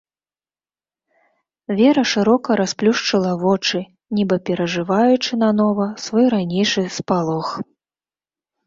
Вера шырока расплюшчыла вочы, нібы перажываючы нанова свой ранейшы спалох.